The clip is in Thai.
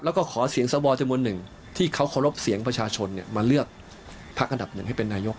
แล้วก็ขอเสียงสวจำนวนหนึ่งที่เขาเคารพเสียงประชาชนมาเลือกพักอันดับหนึ่งให้เป็นนายก